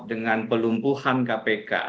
dengan pelumpuhan kpk